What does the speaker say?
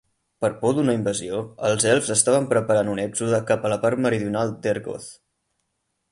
Per por d'una invasió, els elfs estaven preparant un èxode cap a la part meridional d'Ergoth.